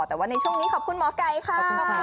แต่ว่าในช่วงนี้ขอบคุณหมอกัยค่ะ